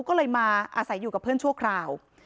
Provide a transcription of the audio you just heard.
ก็เลยมาอาศัยอยู่กับเพื่อนชั่วคราว